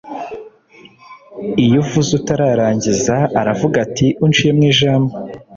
iyo uvuze atararangiza, aravuga ati «unciye mu ijambo»